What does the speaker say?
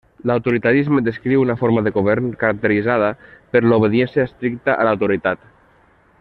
L'autoritarisme descriu una forma de govern caracteritzada per l'obediència estricta a l'autoritat.